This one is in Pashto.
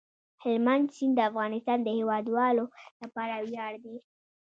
هلمند سیند د افغانستان د هیوادوالو لپاره ویاړ دی.